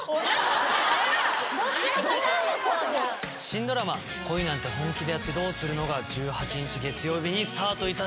新ドラマ『恋なんて、本気でやってどうするの？』が１８日月曜日にスタートいたします。